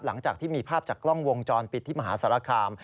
หลังจากที่มีภาพจากกล้องวงจรปิดที่มหาสารคาม